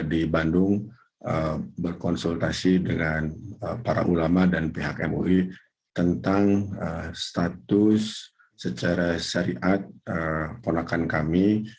di bandung berkonsultasi dengan para ulama dan pihak mui tentang status secara syariat ponakan kami